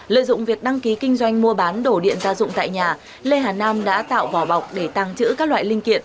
lợi dụng việc đăng ký kinh doanh mua bán đổ điện gia dụng tại nhà lê hà nam đã tạo vỏ bọc để tàng trữ các loại linh kiện